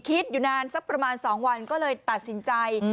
คิดอยู่นานสักประมาณ๒วันก็เลยตัดสินใจ